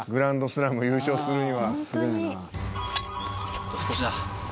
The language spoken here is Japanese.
あと少しだ。